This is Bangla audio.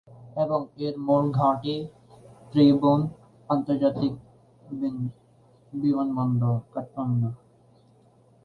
এবং এর মুল ঘাঁটি ত্রিভুবন আন্তর্জাতিক বিমানবন্দর, কাঠমান্ডু।